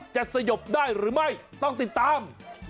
สยบได้หรือไม่ต้องติดตาม